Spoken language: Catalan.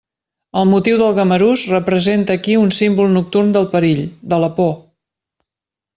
El motiu del gamarús representa aquí un símbol nocturn del perill, de la por.